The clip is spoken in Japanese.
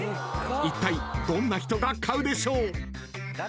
［いったいどんな人が買うでしょう？］